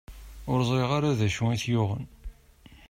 Ur ẓriɣ ara d acu i t-yuɣen.